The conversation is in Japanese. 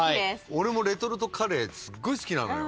俺もレトルトカレーすっごい好きなのよ。